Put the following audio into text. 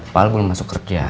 pakal belum masuk kerja